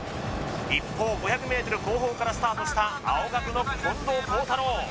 一方５００ｍ後方からスタートした青学の近藤幸太郎